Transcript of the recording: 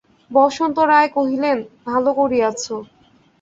বসন্ত রায় কহিলেন, ভালো করিয়াছ।